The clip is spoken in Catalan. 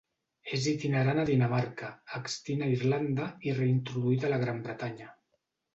És itinerant a Dinamarca, extint a Irlanda i reintroduït a la Gran Bretanya.